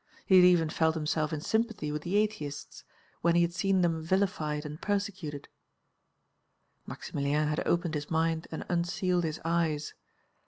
He had even felt himself in sympathy with the atheists, when he had seen them vilified and persecuted. Maximilien had opened his mind and unsealed his eyes.